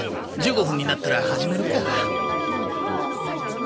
１５分になったら始めるか。